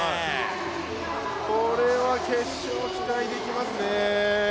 これは決勝、期待できますね。